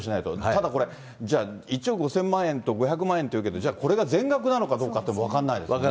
ただこれ、じゃあ、１億５０００万円と５００万円っていうけど、これがじゃあ全額なのかどうかというのも分かんないですよね。